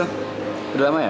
udah lama ya